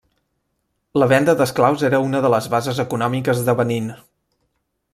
La venda d'esclaus era una de les bases econòmiques de Benín.